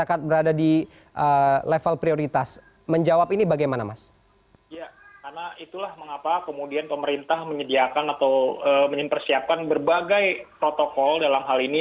karena itulah mengapa kemudian pemerintah menyediakan atau menyempersiapkan berbagai protokol dalam hal ini